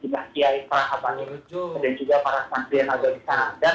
juga kiai pak hapani dan juga para santren yang ada di sana